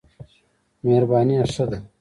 مهرباني ښه ده.